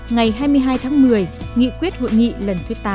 ngày hai mươi hai tháng một mươi nghị quyết hội nghị lần thứ tám